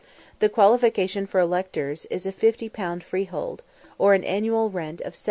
The qualification for electors is a 50_l._ freehold, or an annual rent of 7_l.